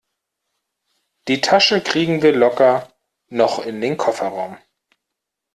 Die Tasche kriegen wir locker noch in den Kofferraum.